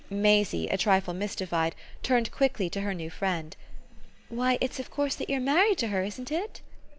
Maisie, a trifle mystified, turned quickly to her new friend. "Why it's of course that you're MARRIED to her, isn't it?"